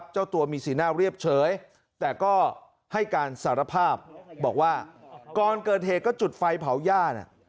เจ้าตัวมีสีหน้าเรียบเฉยแต่ก็ให้การสารภาพบอกว่าก่อนเกิดเหตุก็จุดไฟเผาย่าน่ะ